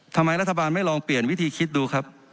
ทำไมรัฐบาลไม่ลองเปลี่ยนวิธีคิดดูครับ